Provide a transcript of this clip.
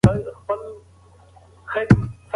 ځينې ژوي له مقناطيسه ګټه اخلي.